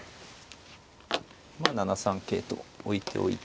まあ７三桂と置いておいて。